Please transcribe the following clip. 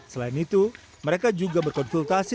selain itu mereka juga berkonsultasi